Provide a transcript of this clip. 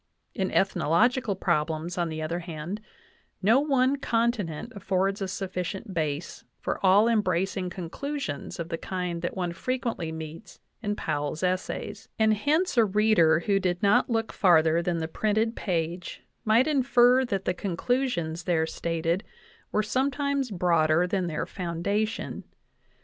In ethnological problems, on the other hand, no one continent affords a sufficient base for all embracing conclusions of the kind that one frequently meets in Powell's essays; and hence a reader who did not look far ther than the printed page might infer that the conclusions there stated were sometimes broader than their foundation.